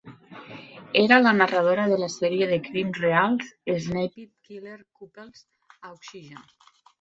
Era la narradora de la sèrie de crims reals "Snapped: Killer Couples" a Oxygen.